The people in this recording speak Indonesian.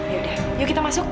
yaudah yuk kita masuk